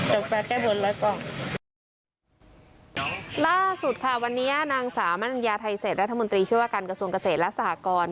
แต่จะแก้บนไว้ก่อนล่าสุดค่ะวันนี้นางสามัญญาไทยเศษรัฐมนตรีช่วยว่าการกระทรวงเกษตรและสหกร